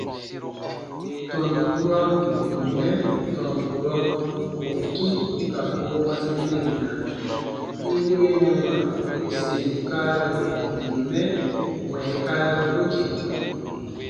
Tɔn durɔ ǹ kun mɛ tɔn kurɔ ù n kĩ ù ka goo wasi mɛnna, n weenɛwa ù sèn kararu ǹ kun mɛ bwɛ̃ɛ kararu doke.